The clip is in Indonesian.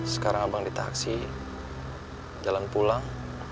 sekarang abang di taksi jalan pulang